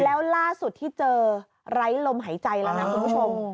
แล้วล่าสุดที่เจอไร้ลมหายใจแล้วนะคุณผู้ชม